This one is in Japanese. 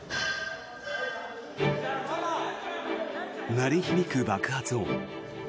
鳴り響く爆発音。